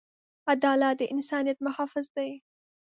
عدالت د انسانیت محافظ دی.